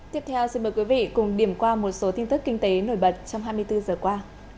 tiếp theo xin mời quý vị cùng điểm qua một số tin tức kinh tế nổi bật trong hai mươi bốn giờ qua